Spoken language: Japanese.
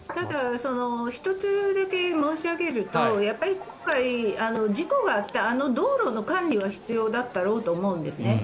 １つだけ申し上げると今回事故があったあの道路の管理は必要だったろうと思うんですね。